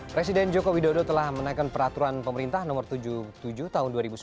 presiden joko widodo telah menaikkan peraturan pemerintah no tujuh puluh tujuh tahun dua ribu sembilan belas